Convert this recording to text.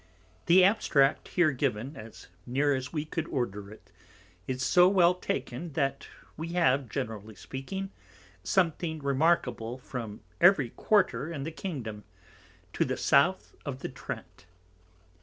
The Abstract here given, as near as we could order it, is so well taken, that we have, generally speaking, something remarkable from every quarter of the Kingdom, to the South of the Trent.